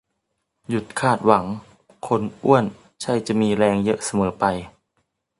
หยุดคาดหวัง คนอ้วนใช่จะมีแรงเยอะเสมอไป